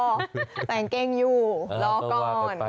กางเกงอยู่รอก่อน